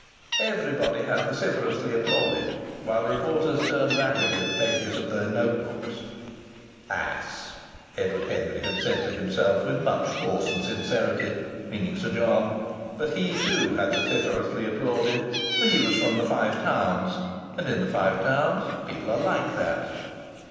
Everybody had vociferously applauded, while reporters turned rapidly the pages of their note books. "Ass!" Edward Henry had said to himself with much force and sincerity meaning Sir John but he too had vociferously applauded; for he was from the Five Towns, and in the Five Towns people are like that!